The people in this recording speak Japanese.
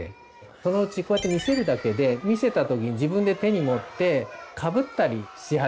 そのうちこうやって見せるだけで見せた時に自分で手に持ってかぶったりし始める。